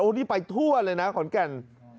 โอ้นี่ไปทั่วเลยนะขอนกรรม